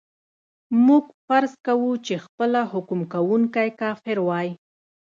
موږ فرض کوو چې خپله حکم کوونکی کافر وای.